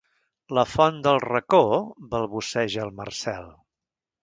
La font del racó? —balbuceja el Marcel.